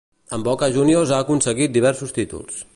Amb Boca Juniors ha aconseguit diversos títols.